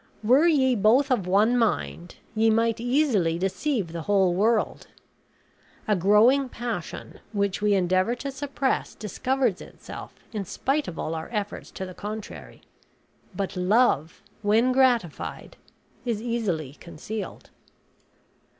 Were ye both of one mind, ye might easily deceive the whole world. A growing passion, which we endeavor to suppress, discovers itself in spite of all our efforts to the contrary; but love, when gratified, is easily concealed."